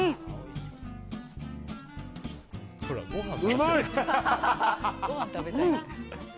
うまい！